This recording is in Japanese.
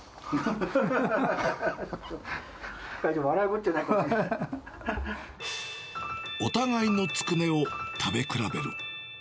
会長、お互いのつくねを食べ比べる。